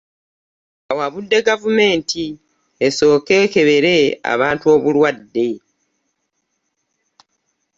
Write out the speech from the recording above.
Awabudde gavumenti esooke ekebere abantu obulwadde.